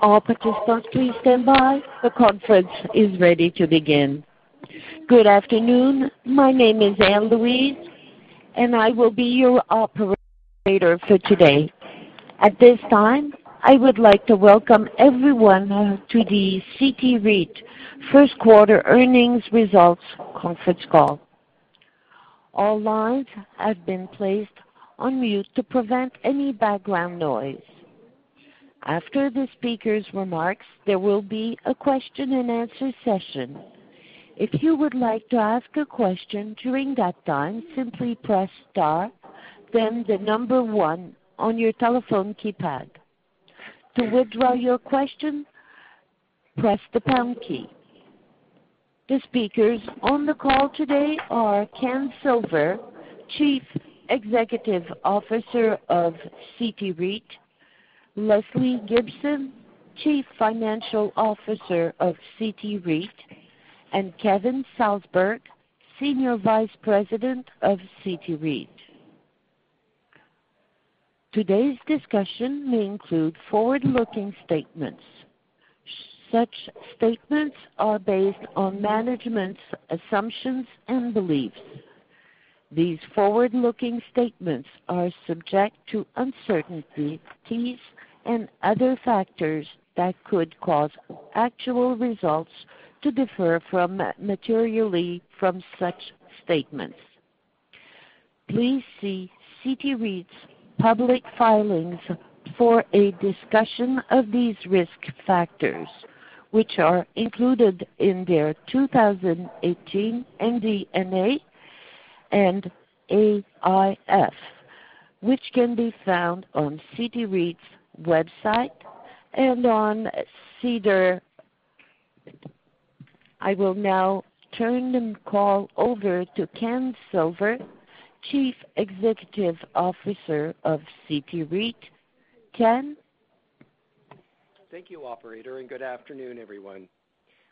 All participants, please stand by. The conference is ready to begin. Good afternoon. My name is Anne Louise, and I will be your operator for today. At this time, I would like to welcome everyone to the CT REIT First Quarter Earnings Results Conference Call. All lines have been placed on mute to prevent any background noise. After the speakers' remarks, there will be a question-and-answer session. If you would like to ask a question during that time, simply press star, then the number one on your telephone keypad. To withdraw your question, press the pound key. The speakers on the call today are Ken Silver, Chief Executive Officer of CT REIT, Lesley Gibson, Chief Financial Officer of CT REIT, and Kevin Salsberg, Senior Vice President of CT REIT. Today's discussion may include forward-looking statements. Such statements are based on management's assumptions and beliefs. These forward-looking statements are subject to uncertainties and other factors that could cause actual results to differ materially from such statements. Please see CT REIT's public filings for a discussion of these risk factors, which are included in their 2018 MD&A and AIF, which can be found on CT REIT's website and on SEDAR. I will now turn the call over to Ken Silver, Chief Executive Officer of CT REIT. Ken? Thank you, operator. Good afternoon, everyone.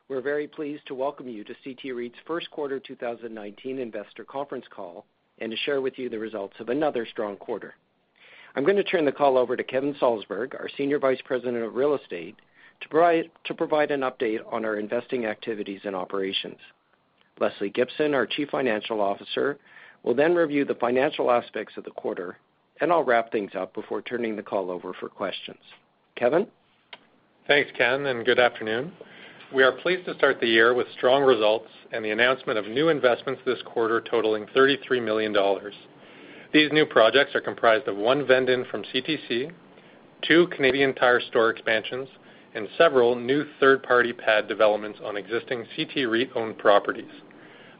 We are very pleased to welcome you to CT REIT's first quarter 2019 investor conference call and to share with you the results of another strong quarter. I am going to turn the call over to Kevin Salsberg, our Senior Vice President of Real Estate, to provide an update on our investing activities and operations. Lesley Gibson, our Chief Financial Officer, will then review the financial aspects of the quarter, and I will wrap things up before turning the call over for questions. Kevin? Thanks, Ken. Good afternoon. We are pleased to start the year with strong results and the announcement of new investments this quarter totaling 33 million dollars. These new projects are comprised of one vend-in from CTC, two Canadian Tire store expansions, and several new third-party pad developments on existing CT REIT-owned properties.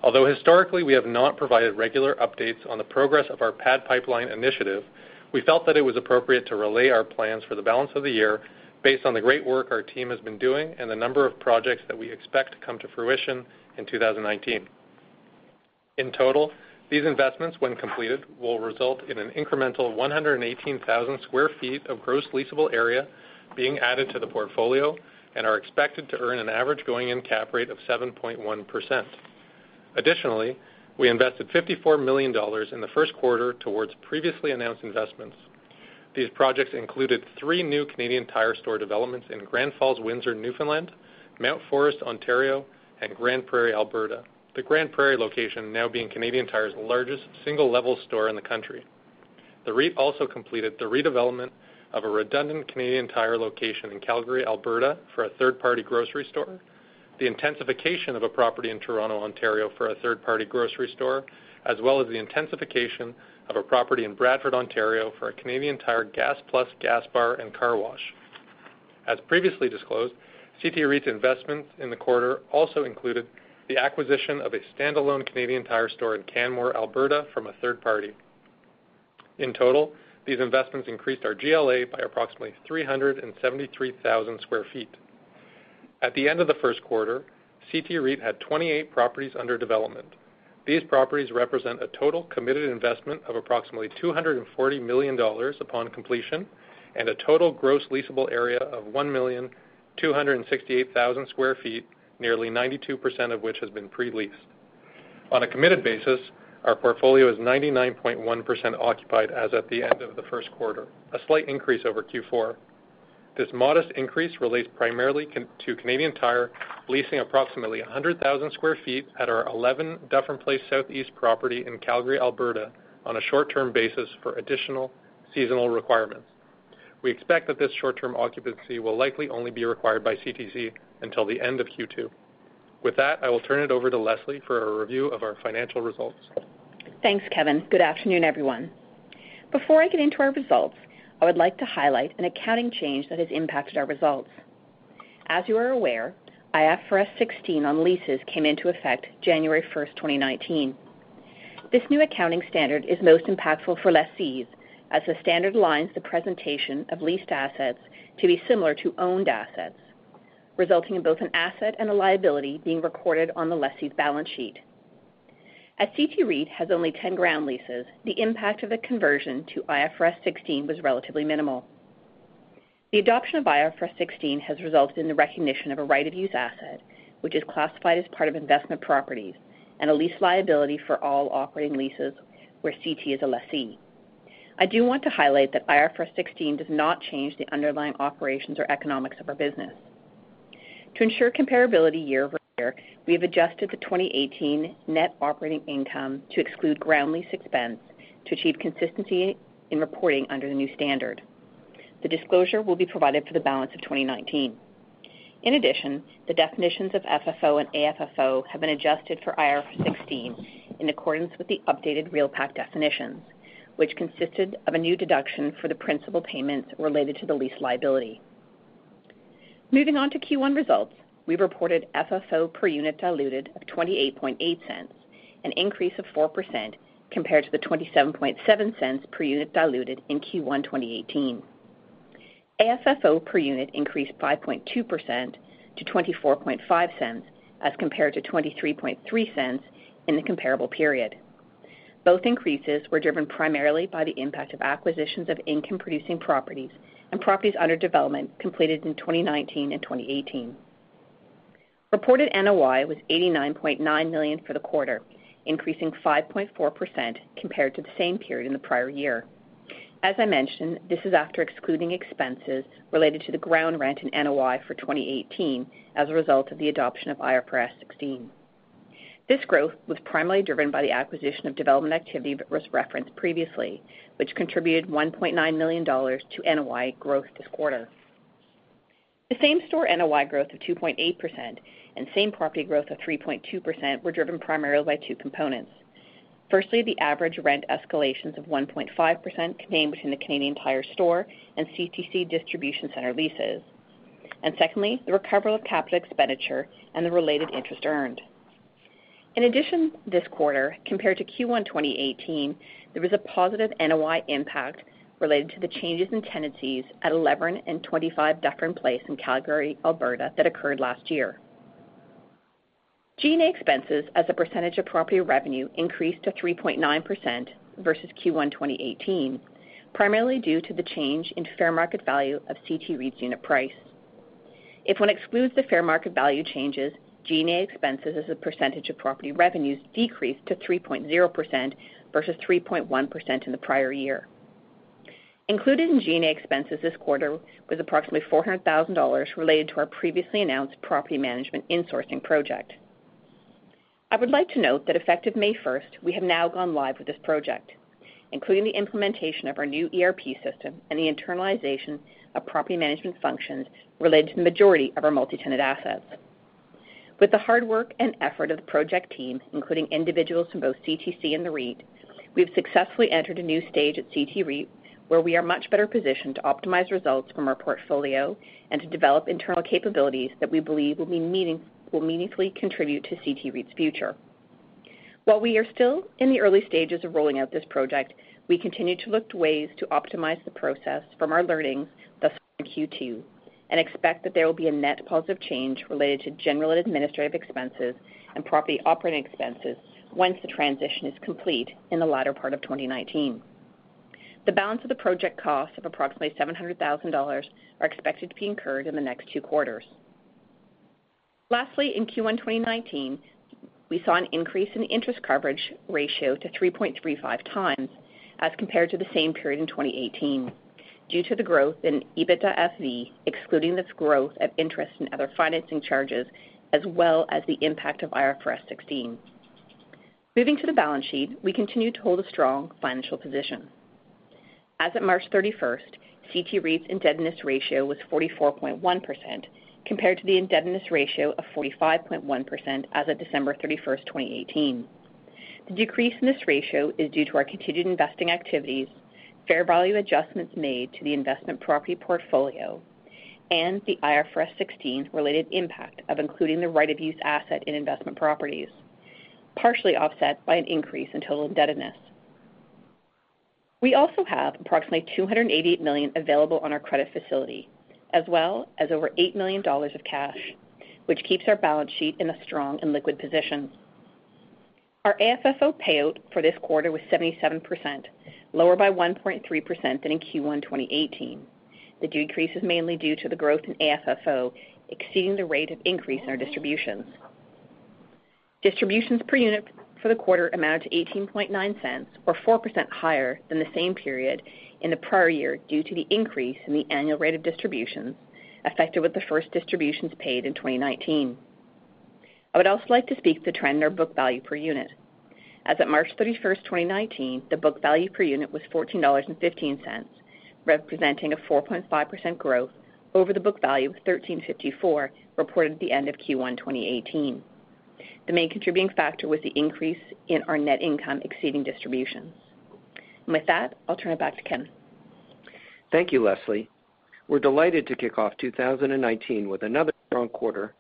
Although historically, we have not provided regular updates on the progress of our pad pipeline initiative, we felt that it was appropriate to relay our plans for the balance of the year based on the great work our team has been doing and the number of projects that we expect to come to fruition in 2019. In total, these investments, when completed, will result in an incremental 118,000 square feet of gross leasable area being added to the portfolio and are expected to earn an average going-in cap rate of 7.1%. Additionally, we invested 54 million dollars in the first quarter towards previously announced investments. These projects included three new Canadian Tire store developments in Grand Falls-Windsor, Newfoundland, Mount Forest, Ontario, and Grande Prairie, Alberta. The Grande Prairie location now being Canadian Tire's largest single-level store in the country. The REIT also completed the redevelopment of a redundant Canadian Tire location in Calgary, Alberta for a third-party grocery store, the intensification of a property in Toronto, Ontario for a third-party grocery store, as well as the intensification of a property in Bradford, Ontario for a Canadian Tire Gas+ gas bar and car wash. As previously disclosed, CT REIT's investments in the quarter also included the acquisition of a standalone Canadian Tire store in Canmore, Alberta from a third party. In total, these investments increased our GLA by approximately 373,000 square feet. At the end of the first quarter, CT REIT had 28 properties under development. These properties represent a total committed investment of approximately 240 million dollars upon completion and a total gross leasable area of 1,268,000 square feet, nearly 92% of which has been pre-leased. On a committed basis, our portfolio is 99.1% occupied as at the end of the first quarter, a slight increase over Q4. This modest increase relates primarily to Canadian Tire leasing approximately 100,000 square feet at our 11 Dufferin Place Southeast property in Calgary, Alberta, on a short-term basis for additional seasonal requirements. We expect that this short-term occupancy will likely only be required by CTC until the end of Q2. With that, I will turn it over to Lesley for a review of our financial results. Thanks, Kevin. Good afternoon, everyone. Before I get into our results, I would like to highlight an accounting change that has impacted our results. As you are aware, IFRS 16 on leases came into effect January 1st, 2019. This new accounting standard is most impactful for lessees as the standard aligns the presentation of leased assets to be similar to owned assets, resulting in both an asset and a liability being recorded on the lessee's balance sheet. As CT REIT has only 10 ground leases, the impact of the conversion to IFRS 16 was relatively minimal. The adoption of IFRS 16 has resulted in the recognition of a right-of-use asset, which is classified as part of investment properties, and a lease liability for all operating leases where CT is a lessee. I do want to highlight that IFRS 16 does not change the underlying operations or economics of our business. To ensure comparability year-over-year, we have adjusted the 2018 net operating income to exclude ground lease expense to achieve consistency in reporting under the new standard. The disclosure will be provided for the balance of 2019. In addition, the definitions of FFO and AFFO have been adjusted for IFRS 16 in accordance with the updated REALPAC definitions, which consisted of a new deduction for the principal payments related to the lease liability. Moving on to Q1 results, we reported FFO per unit diluted of 0.288, an increase of 4%, compared to the 0.277 per unit diluted in Q1 2018. AFFO per unit increased 5.2% to 0.245 as compared to 0.233 in the comparable period. Both increases were driven primarily by the impact of acquisitions of income-producing properties and properties under development completed in 2019 and 2018. Reported NOI was 89.9 million for the quarter, increasing 5.4% compared to the same period in the prior year. As I mentioned, this is after excluding expenses related to the ground rent in NOI for 2018 as a result of the adoption of IFRS 16. This growth was primarily driven by the acquisition of development activity that was referenced previously, which contributed 1.9 million dollars to NOI growth this quarter. The same-store NOI growth of 2.8% and same-property growth of 3.2% were driven primarily by two components. Firstly, the average rent escalations of 1.5% contained within the Canadian Tire store and CTC distribution center leases. Secondly, the recovery of capital expenditure and the related interest earned. In addition, this quarter, compared to Q1 2018, there was a positive NOI impact related to the changes in tenancies at 11 and 25 Dufferin Place in Calgary, Alberta, that occurred last year. G&A expenses as a percentage of property revenue increased to 3.9% versus Q1 2018, primarily due to the change in fair market value of CT REIT's unit price. If one excludes the fair market value changes, G&A expenses as a percentage of property revenues decreased to 3.0% versus 3.1% in the prior year. Included in G&A expenses this quarter was approximately 400,000 dollars related to our previously announced property management insourcing project. I would like to note that effective May 1st, we have now gone live with this project, including the implementation of our new ERP system and the internalization of property management functions related to the majority of our multi-tenant assets. With the hard work and effort of the project team, including individuals from both CTC and the REIT, we've successfully entered a new stage at CT REIT where we are much better positioned to optimize results from our portfolio and to develop internal capabilities that we believe will meaningfully contribute to CT REIT's future. While we are still in the early stages of rolling out this project, we continue to look to ways to optimize the process from our learnings thus far in Q2, and expect that there will be a net positive change related to general and administrative expenses and property operating expenses once the transition is complete in the latter part of 2019. The balance of the project costs of approximately 700,000 dollars are expected to be incurred in the next two quarters. Lastly, in Q1 2019, we saw an increase in the interest coverage ratio to 3.35 times as compared to the same period in 2018 due to the growth in EBITDAFV, excluding this growth of interest in other financing charges, as well as the impact of IFRS 16. Moving to the balance sheet, we continue to hold a strong financial position. As of March 31st, CT REIT's indebtedness ratio was 44.1%, compared to the indebtedness ratio of 45.1% as of December 31st, 2018. The decrease in this ratio is due to our continued investing activities, fair value adjustments made to the investment property portfolio, and the IFRS 16-related impact of including the right-of-use asset in investment properties, partially offset by an increase in total indebtedness. We also have approximately 288 million available on our credit facility, as well as over 8 million dollars of cash, which keeps our balance sheet in a strong and liquid position. Our AFFO payout for this quarter was 77%, lower by 1.3% than in Q1 2018. The decrease is mainly due to the growth in AFFO exceeding the rate of increase in our distributions. Distributions per unit for the quarter amounted to 0.189, or 4% higher than the same period in the prior year due to the increase in the annual rate of distributions, effective with the first distributions paid in 2019. I would also like to speak to the trend in our book value per unit. As of March 31st, 2019, the book value per unit was 14.15 dollars, representing a 4.5% growth over the book value of 13.54 reported at the end of Q1 2018. The main contributing factor was the increase in our net income exceeding distributions. With that, I'll turn it back to Ken. Thank you, Lesley. We're delighted to kick off 2019 with another strong quarter,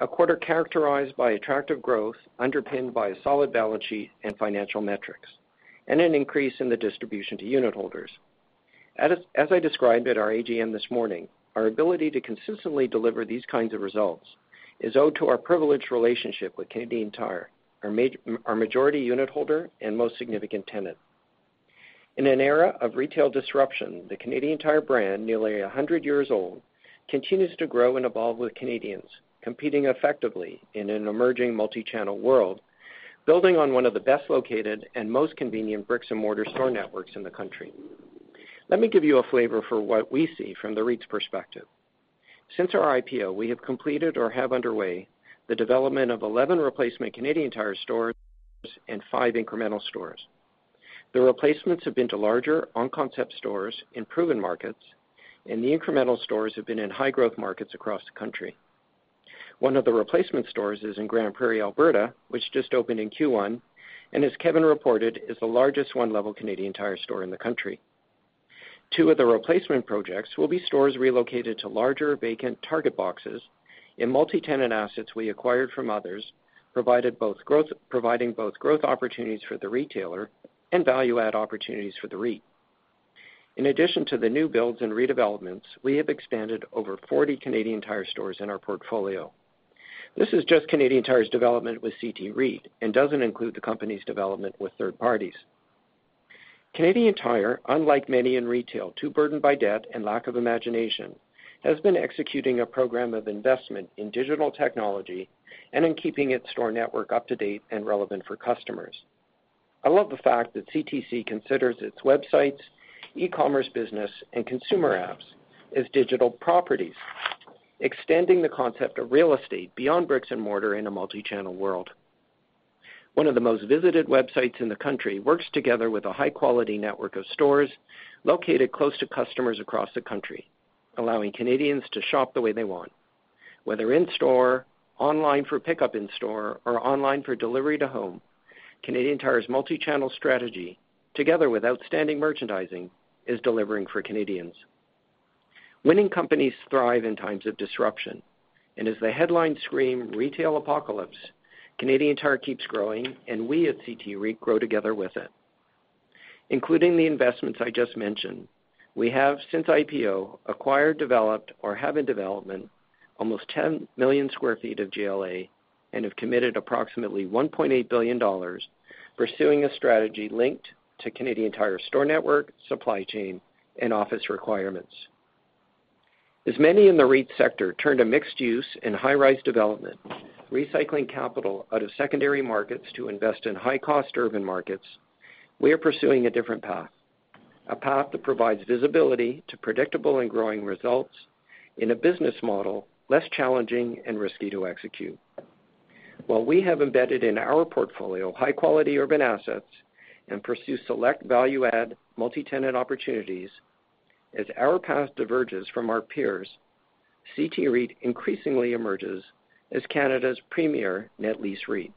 a quarter characterized by attractive growth, underpinned by a solid balance sheet and financial metrics, and an increase in the distribution to unitholders. As I described at our AGM this morning, our ability to consistently deliver these kinds of results is owed to our privileged relationship with Canadian Tire, our majority unitholder, and most significant tenant. In an era of retail disruption, the Canadian Tire brand, nearly 100 years old, continues to grow and evolve with Canadians, competing effectively in an emerging multi-channel world, building on one of the best-located and most convenient bricks-and-mortar store networks in the country. Let me give you a flavor for what we see from the REIT's perspective. Since our IPO, we have completed or have underway the development of 11 replacement Canadian Tire stores and five incremental stores. The replacements have been to larger on-concept stores in proven markets, the incremental stores have been in high-growth markets across the country. One of the replacement stores is in Grande Prairie, Alberta, which just opened in Q1, and as Kevin reported, is the largest one-level Canadian Tire store in the country. Two of the replacement projects will be stores relocated to larger vacant target boxes in multi-tenant assets we acquired from others, providing both growth opportunities for the retailer and value-add opportunities for the REIT. In addition to the new builds and redevelopments, we have expanded over 40 Canadian Tire stores in our portfolio. This is just Canadian Tire's development with CT REIT and doesn't include the company's development with third parties. Canadian Tire, unlike many in retail, too burdened by debt and lack of imagination, has been executing a program of investment in digital technology and in keeping its store network up-to-date and relevant for customers. I love the fact that CTC considers its websites, e-commerce business, and consumer apps as digital properties, extending the concept of real estate beyond bricks and mortar in a multi-channel world. One of the most visited websites in the country works together with a high-quality network of stores located close to customers across the country, allowing Canadians to shop the way they want. Whether in-store, online for pickup in-store, or online for delivery to home, Canadian Tire's multi-channel strategy, together with outstanding merchandising, is delivering for Canadians. Winning companies thrive in times of disruption, and as the headlines scream retail apocalypse, Canadian Tire keeps growing, and we at CT REIT grow together with it. Including the investments I just mentioned, we have since IPO acquired, developed, or have in development almost 10 million square feet of GLA and have committed approximately 1.8 billion dollars pursuing a strategy linked to Canadian Tire store network, supply chain, and office requirements. As many in the REIT sector turn to mixed-use and high-rise development, recycling capital out of secondary markets to invest in high-cost urban markets, we are pursuing a different path, a path that provides visibility to predictable and growing results in a business model less challenging and risky to execute. While we have embedded in our portfolio high-quality urban assets and pursue select value-add multi-tenant opportunities, as our path diverges from our peers, CT REIT increasingly emerges as Canada's premier net lease REIT,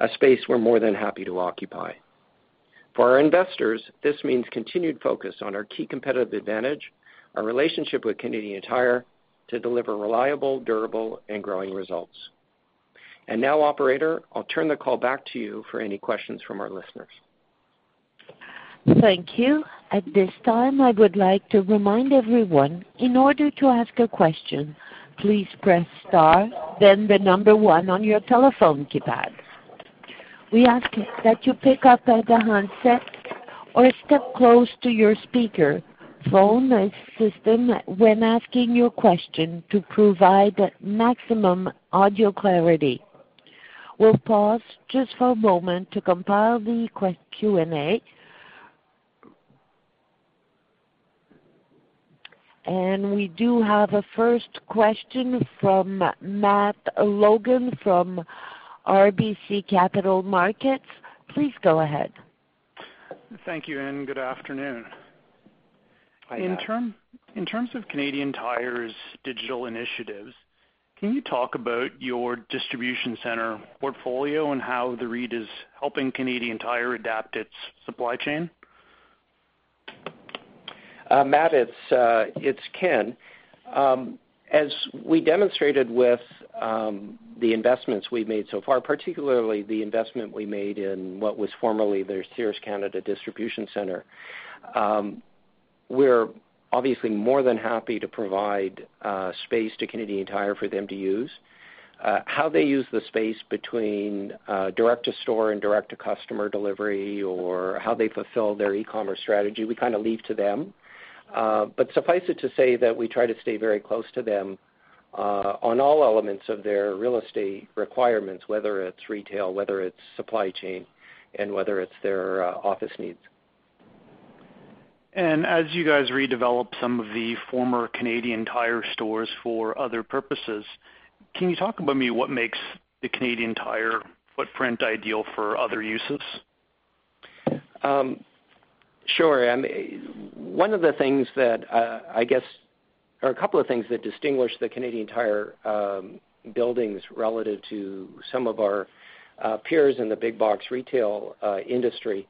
a space we're more than happy to occupy. For our investors, this means continued focus on our key competitive advantage, our relationship with Canadian Tire, to deliver reliable, durable, and growing results. Now, operator, I'll turn the call back to you for any questions from our listeners. Thank you. At this time, I would like to remind everyone, in order to ask a question, please press star, then the number 1 on your telephone keypad. We ask that you pick up the handset or step close to your speakerphone and system when asking your question to provide maximum audio clarity. We'll pause just for a moment to compile the Q&A. We do have a first question from Matthew Logan from RBC Capital Markets. Please go ahead. Thank you. Good afternoon. Hi, Matt. In terms of Canadian Tire's digital initiatives, can you talk about your distribution center portfolio and how the REIT is helping Canadian Tire adapt its supply chain? Matt, it's Ken. As we demonstrated with the investments we've made so far, particularly the investment we made in what was formerly their Sears Canada distribution center, we're obviously more than happy to provide space to Canadian Tire for them to use. How they use the space between direct-to-store and direct-to-customer delivery or how they fulfill their e-commerce strategy, we kind of leave to them. Suffice it to say that we try to stay very close to them on all elements of their real estate requirements, whether it's retail, whether it's supply chain, and whether it's their office needs. As you guys redevelop some of the former Canadian Tire stores for other purposes, can you talk about what makes the Canadian Tire footprint ideal for other uses? Sure. One of the things that, or a couple of things that distinguish the Canadian Tire buildings relative to some of our peers in the big box retail industry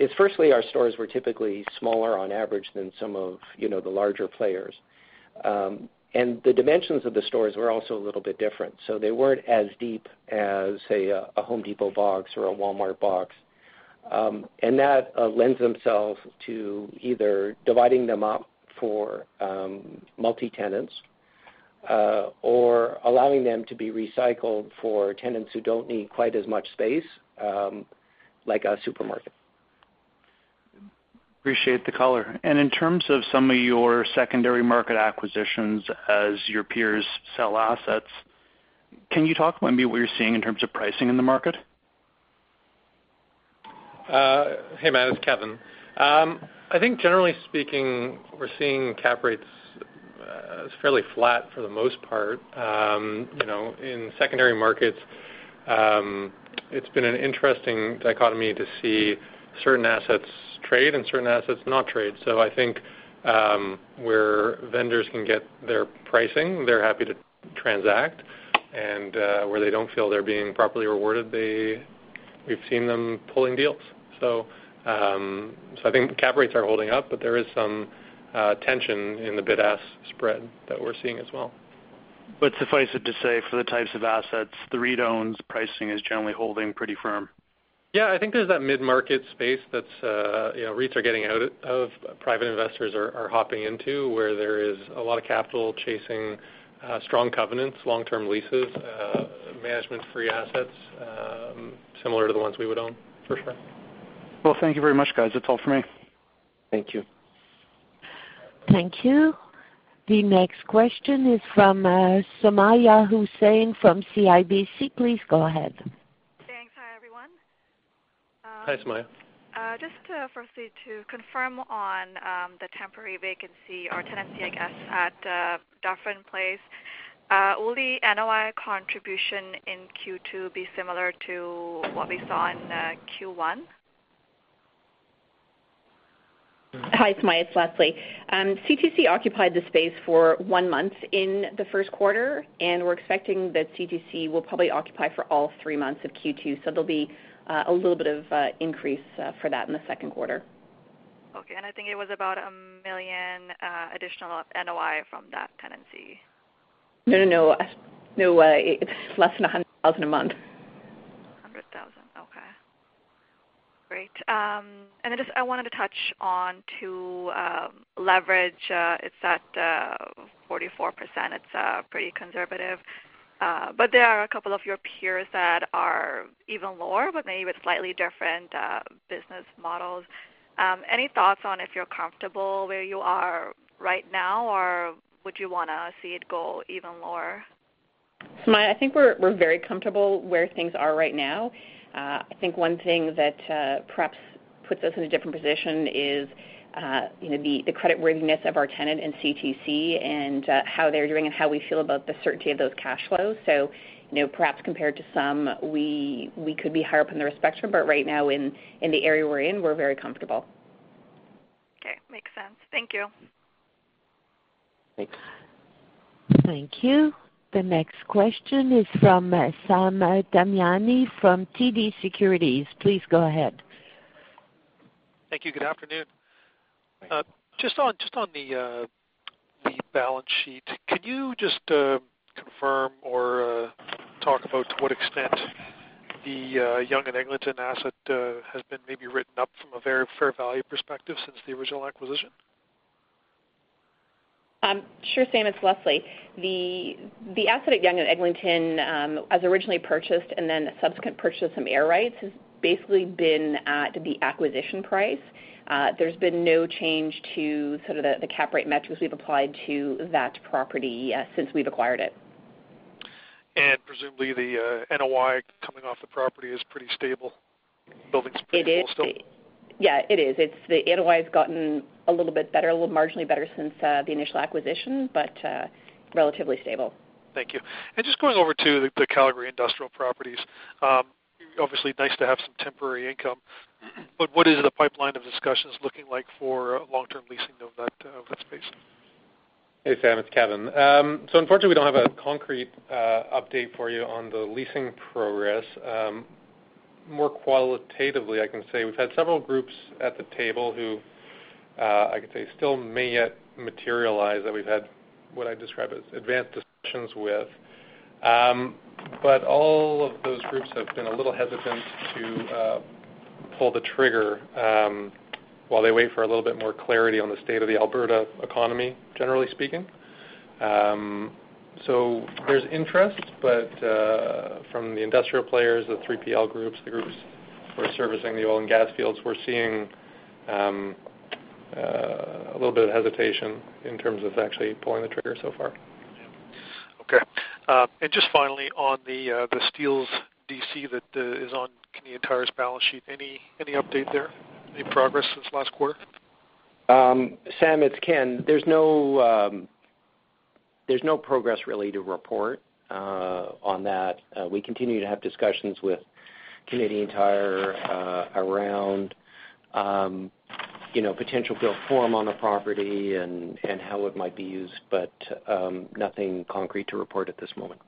is firstly, our stores were typically smaller on average than some of the larger players. The dimensions of the stores were also a little bit different. They weren't as deep as, say, a Home Depot box or a Walmart box. That lends themselves to either dividing them up for multi-tenants or allowing them to be recycled for tenants who don't need quite as much space, like a supermarket. Appreciate the color. In terms of some of your secondary market acquisitions as your peers sell assets, can you talk maybe what you're seeing in terms of pricing in the market? Hey, Matt, it's Kevin. I think generally speaking, we're seeing cap rates fairly flat for the most part. In secondary markets, it's been an interesting dichotomy to see certain assets trade and certain assets not trade. I think, where vendors can get their pricing, they're happy to transact, and where they don't feel they're being properly rewarded, we've seen them pulling deals. I think cap rates are holding up, but there is some tension in the bid-ask spread that we're seeing as well. Suffice it to say, for the types of assets the REIT owns, pricing is generally holding pretty firm. Yeah, I think there's that mid-market space that REITs are getting out of, private investors are hopping into, where there is a lot of capital chasing strong covenants, long-term leases, management-free assets, similar to the ones we would own, for sure. Well, thank you very much, guys. That's all for me. Thank you. Thank you. The next question is from Sumayya Syed from CIBC. Please go ahead. Thanks. Hi, everyone. Hi, Sumayya. Just firstly to confirm on the temporary vacancy or tenancy, I guess, at Dufferin Place. Will the NOI contribution in Q2 be similar to what we saw in Q1? Hi, Sumayya, it's Lesley. CTC occupied the space for one month in the first quarter. We're expecting that CTC will probably occupy for all three months of Q2. There'll be a little bit of increase for that in the second quarter. I think it was about 1 million additional NOI from that tenancy. No. It's less than 100,000 a month. 100,000. Great. Just I wanted to touch on to leverage. It's at 44%, it's pretty conservative. There are a couple of your peers that are even lower, but maybe with slightly different business models. Any thoughts on if you're comfortable where you are right now, or would you want to see it go even lower? Sumayya, I think we're very comfortable where things are right now. I think one thing that perhaps puts us in a different position is the creditworthiness of our tenant in CTC and how they're doing and how we feel about the certainty of those cash flows. Perhaps compared to some, we could be higher up in the spectrum. Right now, in the area we're in, we're very comfortable. Okay, makes sense. Thank you. Thanks. Thank you. The next question is from Sam Damiani from TD Securities. Please go ahead. Thank you. Good afternoon. Hi. Just on the balance sheet, could you just confirm or talk about to what extent the Yonge and Eglinton asset has been maybe written up from a very fair value perspective since the original acquisition? Sure, Sam, it's Lesley. The asset at Yonge and Eglinton, as originally purchased, and then the subsequent purchase of some air rights, has basically been at the acquisition price. There's been no change to sort of the cap rate metrics we've applied to that property since we've acquired it. Presumably, the NOI coming off the property is pretty stable. The building's pretty full still. It is. Yeah, it is. The NOI's gotten a little bit better, a little marginally better since the initial acquisition, relatively stable. Thank you. Just going over to the Calgary industrial properties. Obviously, nice to have some temporary income. What is the pipeline of discussions looking like for long-term leasing of that space? Hey, Sam, it's Kevin. Unfortunately, we don't have a concrete update for you on the leasing progress. More qualitatively, I can say we've had several groups at the table who, I could say, still may yet materialize, that we've had what I'd describe as advanced discussions with. All of those groups have been a little hesitant to pull the trigger while they wait for a little bit more clarity on the state of the Alberta economy, generally speaking. There's interest from the industrial players, the 3PL groups, the groups who are servicing the oil and gas fields. We're seeing a little bit of hesitation in terms of actually pulling the trigger so far. Okay. Just finally, on the Steeles DC that is on Canadian Tire's balance sheet, any update there? Any progress since last quarter? Sam, it's Ken. There's no progress really to report on that. We continue to have discussions with Canadian Tire around potential built form on the property and how it might be used. Nothing concrete to report at this moment.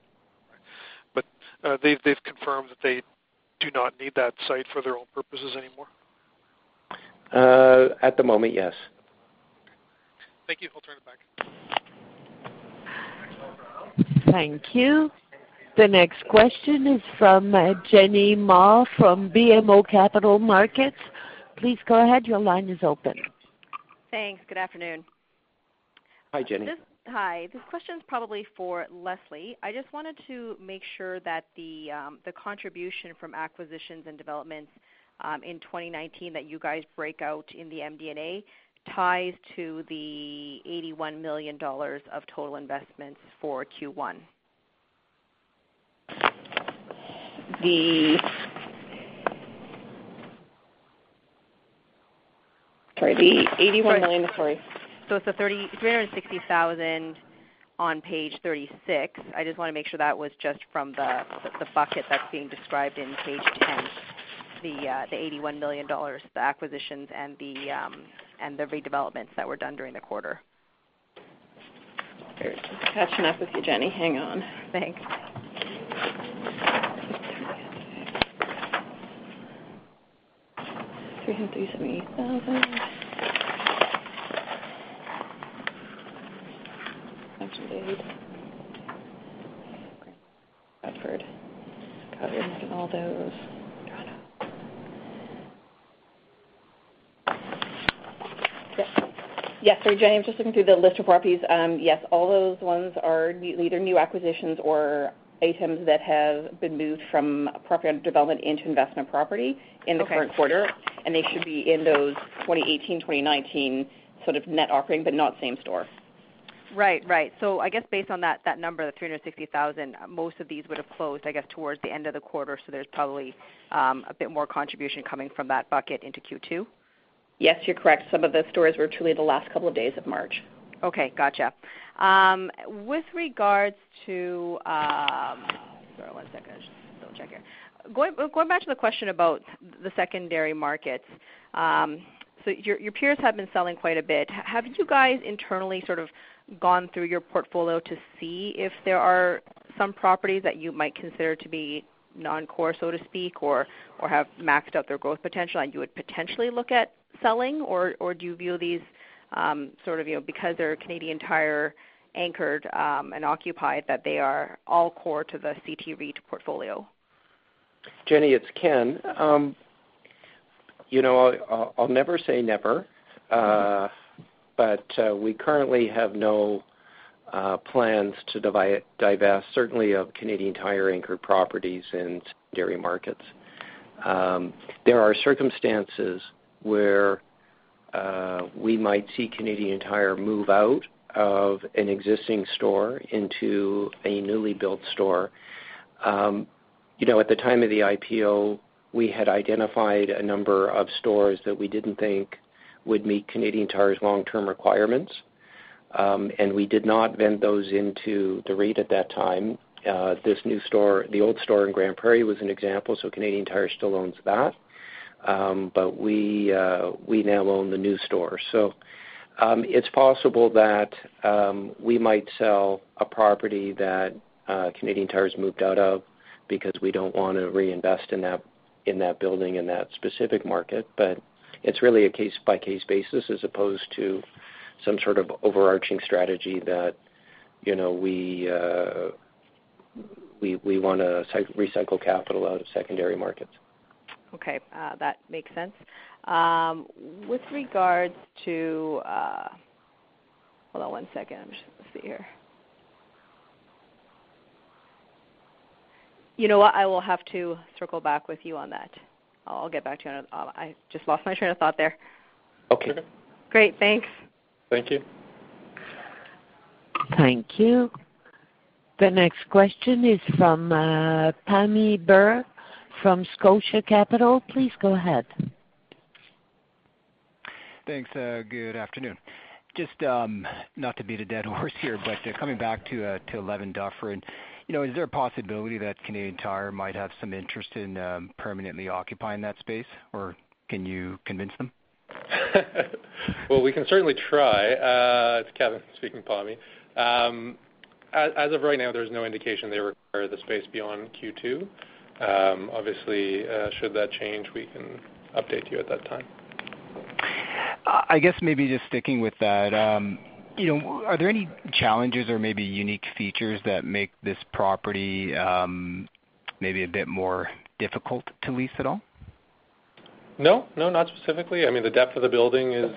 They've confirmed that they do not need that site for their own purposes anymore? At the moment, yes. Thank you. I'll turn it back. Thank you. The next question is from Jenny Ma from BMO Capital Markets. Please go ahead. Your line is open. Thanks. Good afternoon. Hi, Jenny. Hi. This question's probably for Lesley. I just wanted to make sure that the contribution from acquisitions and developments in 2019 that you guys break out in the MD&A ties to the 81 million dollars of total investments for Q1. Sorry. The 81 million, sorry. It's the 360,000 on page 36. I just want to make sure that was just from the bucket that's being described in page 10, the 81 million dollars, the acquisitions, and the redevelopments that were done during the quarter. Just catching up with you, Jenny. Hang on. Thanks. 378,000. Mentioned aid. Stratford, Calgary, and all those. Toronto. Yes. Jenny, I'm just looking through the list of properties. Yes, all those ones are either new acquisitions or items that have been moved from property development into investment property in the current quarter. Okay. They should be in those 2018, 2019 sort of net operating, but not same store. Right. I guess based on that number, the 360,000, most of these would've closed, I guess, towards the end of the quarter, there's probably a bit more contribution coming from that bucket into Q2? Yes, you're correct. Some of the stores were truly the last couple of days of March. Okay, gotcha. Going back to the question about the secondary markets. Your peers have been selling quite a bit. Have you guys internally sort of gone through your portfolio to see if there are some properties that you might consider to be non-core, so to speak, or have maxed out their growth potential and you would potentially look at selling, or do you view these sort of because they're Canadian Tire anchored, and occupied that they are all core to the CT REIT portfolio? Jenny, it's Ken. I'll never say never. We currently have no plans to divest certainly of Canadian Tire anchored properties in secondary markets. There are circumstances where we might see Canadian Tire move out of an existing store into a newly built store. At the time of the IPO, we had identified a number of stores that we didn't think would meet Canadian Tire's long-term requirements. We did not vend those into the REIT at that time. The old store in Grande Prairie was an example, so Canadian Tire still owns that. We now own the new store. It's possible that we might sell a property that Canadian Tire's moved out of because we don't want to reinvest in that building in that specific market. It's really a case-by-case basis as opposed to some sort of overarching strategy that we want to recycle capital out of secondary markets. Okay. That makes sense. With regards to Hold on one second. Let's see here. You know what? I will have to circle back with you on that. I'll get back to you. I just lost my train of thought there. Okay. Great. Thanks. Thank you. Thank you. The next question is from Pammi Bir from Scotia Capital. Please go ahead. Thanks. Good afternoon. Just not to beat a dead horse here, but coming back to 11 Dufferin. Is there a possibility that Canadian Tire might have some interest in permanently occupying that space, or can you convince them? Well, we can certainly try. It is Kevin speaking, Pammi. As of right now, there is no indication they require the space beyond Q2. Obviously, should that change, we can update you at that time. I guess maybe just sticking with that. Are there any challenges or maybe unique features that make this property maybe a bit more difficult to lease at all? No. Not specifically. The depth of the building is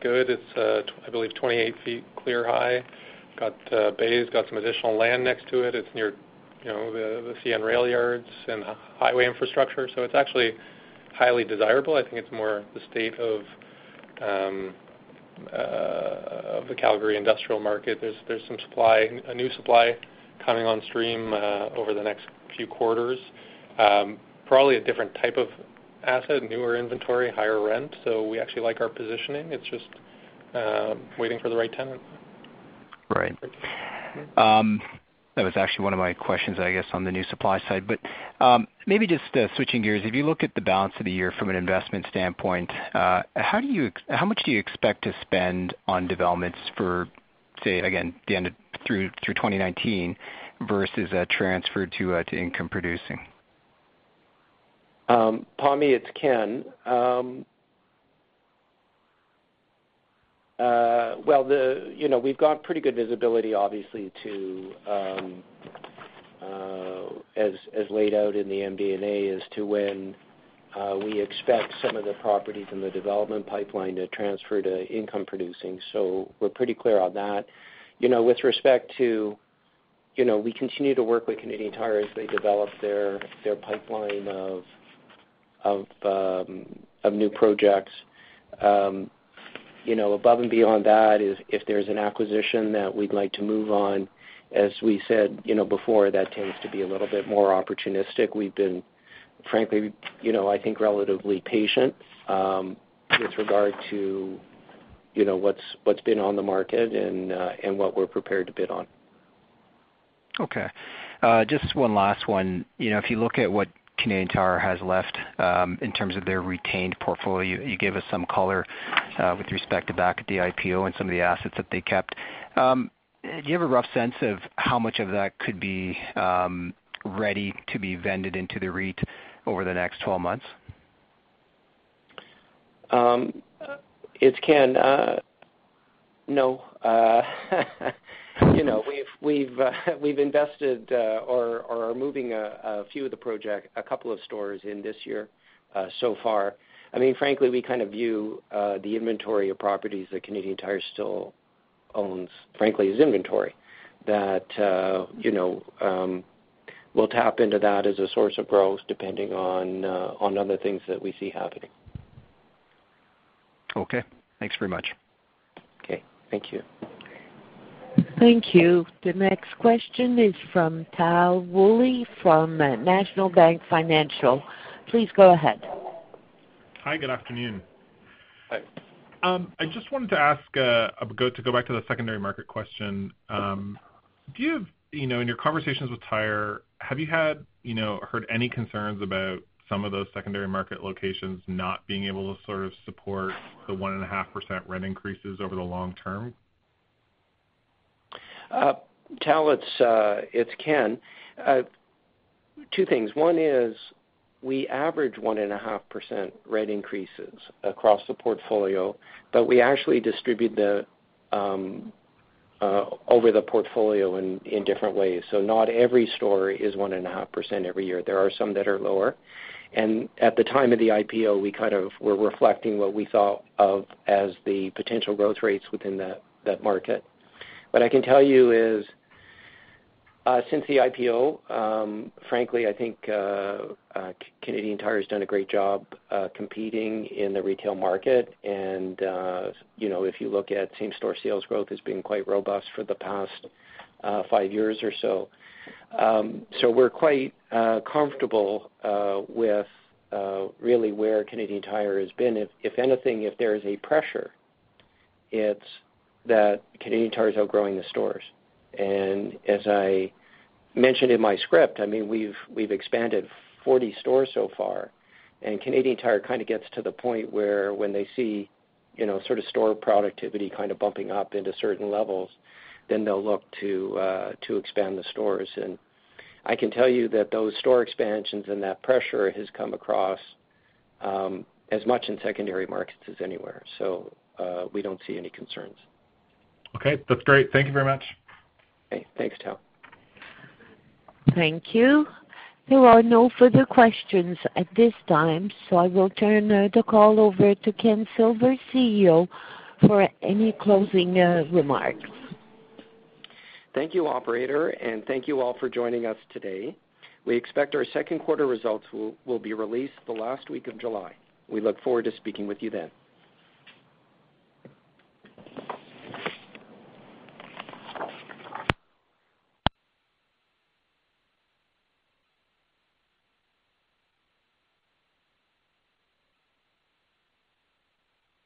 good. It's, I believe, 28 feet clear high. Got bays, got some additional land next to it. It's near the CN rail yards and highway infrastructure, so it's actually highly desirable. I think it's more the state of the Calgary industrial market. There's some supply, a new supply coming on stream, over the next few quarters. Probably a different type of asset, newer inventory, higher rent. We actually like our positioning. It's just waiting for the right tenant. Right. That was actually one of my questions, I guess, on the new supply side. Maybe just switching gears. If you look at the balance of the year from an investment standpoint, how much do you expect to spend on developments for, say, again, through 2019 versus transferred to income producing? Pammi, it's Ken. Well, we've got pretty good visibility, obviously, as laid out in the MD&A as to when we expect some of the properties in the development pipeline to transfer to income producing. We're pretty clear on that. With respect to We continue to work with Canadian Tire as they develop their pipeline of new projects. Above and beyond that is, if there's an acquisition that we'd like to move on, as we said before, that tends to be a little bit more opportunistic. We've been, frankly, I think, relatively patient with regard to what's been on the market and what we're prepared to bid on. Okay. Just one last one. If you look at what Canadian Tire has left in terms of their retained portfolio, you gave us some color with respect to back at the IPO and some of the assets that they kept. Do you have a rough sense of how much of that could be ready to be vended into the REIT over the next 12 months? It's Ken. We've invested or are moving a couple of stores in this year so far. Frankly, we view the inventory of properties that Canadian Tire still owns, frankly, as inventory. We'll tap into that as a source of growth, depending on other things that we see happening. Thanks very much. Thank you. Thank you. The next question is from Tal Woolley from National Bank Financial. Please go ahead. Hi, good afternoon. Hi. I just wanted to ask, to go back to the secondary market question. In your conversations with Tire, have you heard any concerns about some of those secondary market locations not being able to sort of support the 1.5% rent increases over the long term? Tal, it's Ken. Two things. One is we average 1.5% rent increases across the portfolio. We actually distribute over the portfolio in different ways. Not every store is 1.5% every year. There are some that are lower. At the time of the IPO, we kind of were reflecting what we thought of as the potential growth rates within that market. What I can tell you is, since the IPO, frankly, I think Canadian Tire has done a great job competing in the retail market. If you look at same-store sales growth has been quite robust for the past five years or so. We're quite comfortable with really where Canadian Tire has been. If anything, if there is a pressure, it's that Canadian Tire is outgrowing the stores. As I mentioned in my script, we've expanded 40 stores so far. Canadian Tire kind of gets to the point where when they see store productivity kind of bumping up into certain levels, they'll look to expand the stores. I can tell you that those store expansions and that pressure has come across as much in secondary markets as anywhere. We don't see any concerns. Okay. That's great. Thank you very much. Okay. Thanks, Tal. Thank you. There are no further questions at this time. I will turn the call over to Ken Silver, CEO, for any closing remarks. Thank you, operator. Thank you all for joining us today. We expect our second quarter results will be released the last week of July. We look forward to speaking with you then.